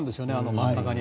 真ん中に。